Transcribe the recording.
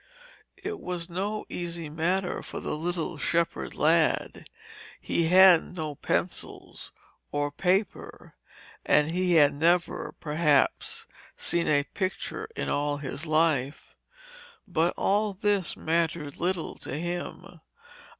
It was no easy matter for the little shepherd lad. He had no pencils or paper, and he had never, perhaps, seen a picture in all his life. But all this mattered little to him.